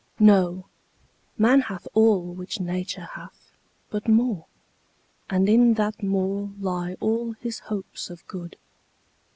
Know, man hath all which Nature hath, but more, And in that more lie all his hopes of good.